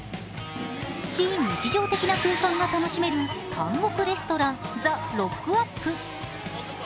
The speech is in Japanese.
非日常的な空間が楽しめる監獄レストラン、ザ・ロックアップ。